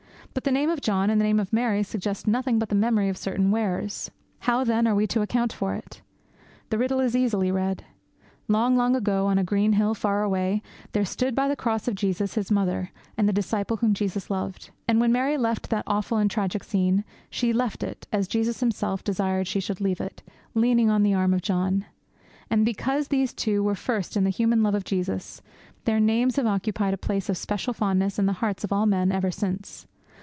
But the name of John and the name of Mary suggest nothing but the memory of certain wearers. How, then, are we to account for it? The riddle is easily read. Long, long ago, on a green hill far away, there stood by the cross of Jesus His mother, and the disciple whom Jesus loved. And, when Mary left that awful and tragic scene, she left it, as Jesus Himself desired that she should leave it, leaning on the arm of John. And because those two were first in the human love of Jesus, their names have occupied a place of special fondness in the hearts of all men ever since.